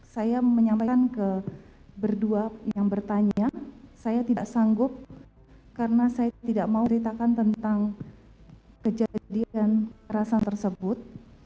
saya menyampaikan ke berdua yang bertanya saya tidak sanggup karena saya tidak mau ritakan tentang kejadian kerasan tersebut